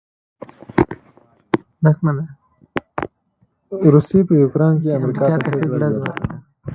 روسې په يوکراين کې امریکا ته ښه ګړز ورکړ.